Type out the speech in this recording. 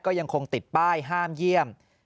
ก็ยังคงติดป้ายห้ามเยี่ยม